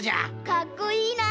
かっこいいな！